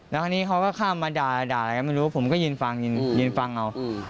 แล้วคราวนี้เขาก็ข้ามมาด่าอะไรก็ไม่รู้ผมก็ยืนฟังยืนฟังเอา